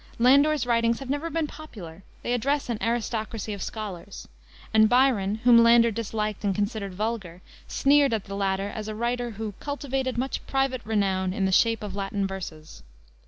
Landor's writings have never been popular; they address an aristocracy of scholars; and Byron whom Landor disliked and considered vulgar sneered at the latter as a writer who "cultivated much private renown in the shape of Latin verses."